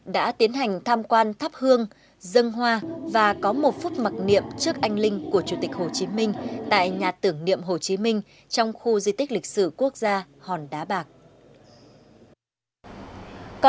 đã tiến hành tham quan thắp hương dân hoa và có một phút mặc niệm trước anh linh của chủ tịch hồ chí minh tại nhà tưởng niệm hồ chí minh trong khu di tích lịch sử quốc gia hòn đá bạc